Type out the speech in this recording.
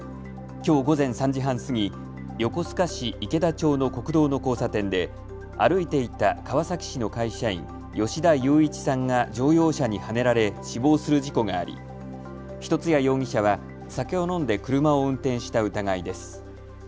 きょう午前３時半過ぎ、横須賀市池田町の国道の交差点で歩いていた川崎市の会社員、吉田雄一さんが乗用車にはねられ死亡する事故があり一ツ谷容疑者は酒を飲んで車を運転した疑いです。